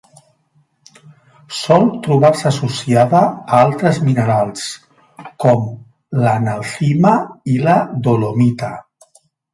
Sol trobar-se associada a altres minerals com l'analcima i la dolomita.